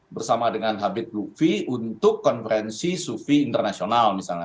bersama dengan habib lutfi untuk konferensi sufi internasional misalnya